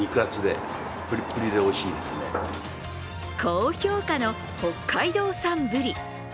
高評価の北海道産ブリ。